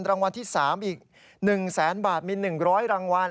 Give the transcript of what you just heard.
รางวัลที่๓อีก๑แสนบาทมี๑๐๐รางวัล